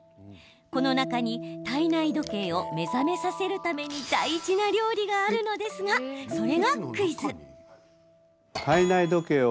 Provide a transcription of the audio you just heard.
この中に体内時計を目覚めさせるために大事な料理があるのですが体内時計を